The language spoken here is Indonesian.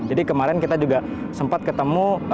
jadi kemarin kita juga sempat ketemu